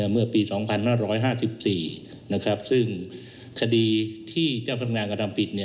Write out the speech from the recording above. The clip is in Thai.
เมื่อปี๒๕๕๔ซึ่งคดีที่เจ้าพนักงานกระทำผิด